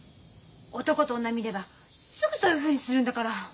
男と女見ればすぐそういうふうにするんだから！